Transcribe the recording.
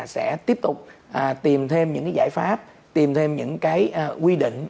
sẽ tiếp tục tìm thêm những cái giải pháp tìm thêm những cái quy định